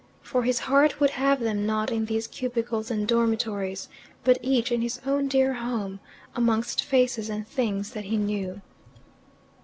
For his heart would have them not in these cubicles and dormitories, but each in his own dear home, amongst faces and things that he knew.